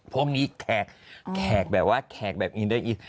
พวกนี้แขกแบบว่าแขกแบบนี้